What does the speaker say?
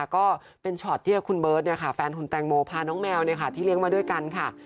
ก็เป็นช็อตที่คุณเบิร์ตแฟนคุณแตงโมพาน้องแมวที่เลี้ยงมาด้วยกันค่ะ